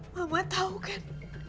mama tau kan